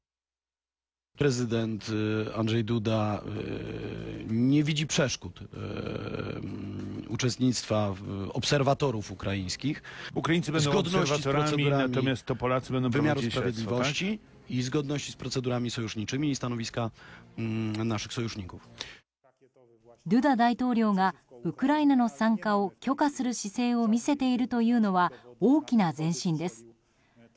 ドゥダ大統領がウクライナの参加を許可する姿勢を見せているというのは大きな前進です。